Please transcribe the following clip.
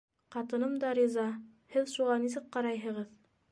Ҡатыным да риза, һеҙ шуға нисек ҡарайһығыҙ?